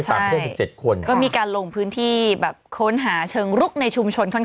ค่อยเป็นเธอจะควรก็มีการลงพื้นที่ต้มโค้งหาเธอลุกในชุมชน